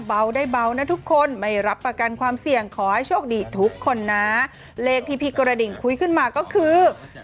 เบาได้เบานะทุกคนไม่รับประกันความเสี่ยงขอให้โชคดีทุกคนนะเลขที่พี่กระดิ่งคุยขึ้นมาก็คือ